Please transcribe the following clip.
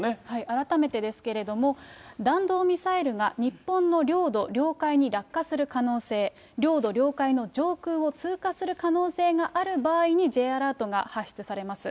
改めてですけれども、弾道ミサイルが日本の領土、領海に落下する可能性、領土、領海の上空を通過する可能性がある場合にＪアラートが発出されます。